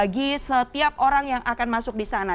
bagi setiap orang yang akan masuk di sana